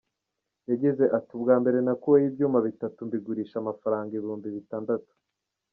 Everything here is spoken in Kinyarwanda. Yagize ati “Ubwa mbere nakuyeho ibyuma bitatu mbigurisha amafaranga ibihumbi bitandatu.